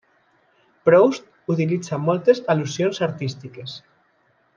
Proust utilitza moltes al·lusions artístiques.